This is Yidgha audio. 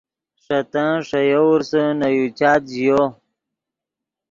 ݰے تن ݰے یوورسے نے یو چات ژیو۔